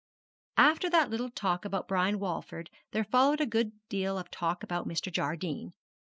After that little talk about Brian Walford there followed a good deal of talk about Mr. Jardine.